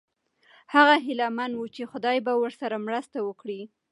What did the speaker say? هغه هیله من و چې خدای به ورسره مرسته وکړي.